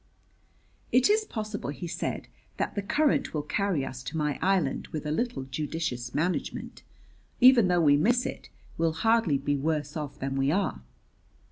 "It is possible," he said, "that the current will carry us to my island with a little judicious management. Even though we miss it, we'll hardly be worse off than we are."